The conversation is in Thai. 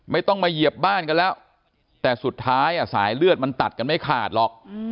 ไม่ต้องมาเหยียบบ้านกันแล้วแต่สุดท้ายสายเลือดมันตัดกันไม่ขาดหรอก